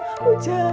aku jahat ya beb